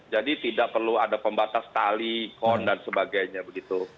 jadi tidak perlu ada pembatas tali kon dan sebagainya begitu